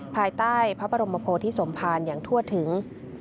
ภายใต้พระบรมโพธิสมภารอย่างทั่วถึง